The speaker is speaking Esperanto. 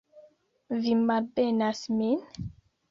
Vi malbenas min?